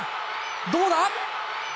どうだ。